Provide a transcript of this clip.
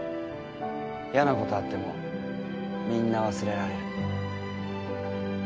嫌なことあってもみんな忘れられる。